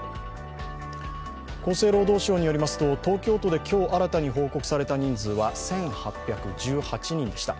厚生労働省によりますと東京都で今日新たに報告された人数は１８１８人でした。